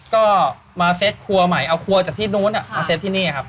ก็มาเซ็ตครัวใหม่เอาครัวจากที่นู้นมาเซตที่นี่ครับ